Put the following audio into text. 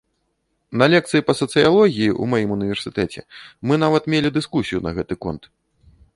На лекцыі па сацыялогіі ў маім універсітэце мы нават мелі дыскусію на гэты конт.